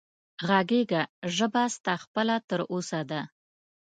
غږېږه ژبه ستا خپله تر اوسه ده